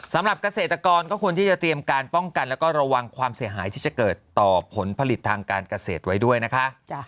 สำหรับเกษตรกรก็ควรที่จะเตรียมการป้องกันแล้วก็ระวังความเสียหายที่จะเกิดต่อผลผลิตทางการเกษตรไว้ด้วยนะคะ